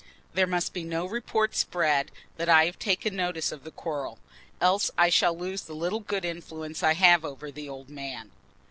There must be no report spread that I have taken notice of the quarrel, else I shall lose the little good influence I have over the old man."